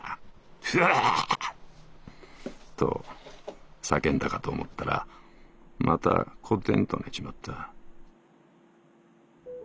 ふわぁーはっはっは！』と叫んだかと思ったらまたこてんと寝ちまった」。